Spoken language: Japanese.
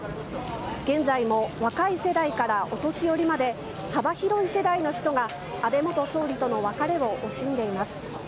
現在も若い世代からお年寄りまで幅広い世代の人が安倍元総理との別れを惜しんでいます。